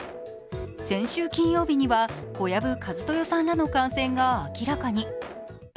先週金曜日には小籔千豊さんらの感染が明らかに。